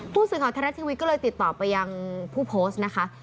พูดสึกว่าธนทรัพย์ทีวีก็เลยติดต่อไปยังผู้โพสต์นะคะ